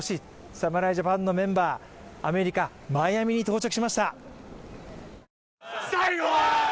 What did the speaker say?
侍ジャパンのメンバー、アメリカ・マイアミに到着しました。